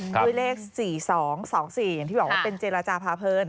ด้วยเลข๔๒๒๔อย่างที่บอกว่าเป็นเจรจาพาเพลิน